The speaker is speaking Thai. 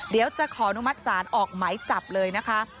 เดี๋ยวจะขออนุมัติศาลออกไหมจับเลยนะคะ